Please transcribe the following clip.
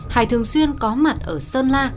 hải thường xuyên có mặt ở sơn la